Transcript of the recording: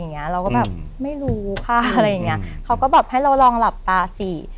เราก็แบบไม่รู้ค่ะอะไรอย่างเงี้ยเขาก็แบบให้เราลองหลับตาสิ